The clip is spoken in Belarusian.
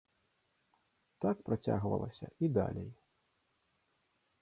Так працягвалася і далей.